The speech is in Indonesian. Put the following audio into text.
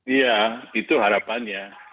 iya itu harapannya